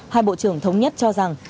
hai bộ trưởng thống nhất cho rằng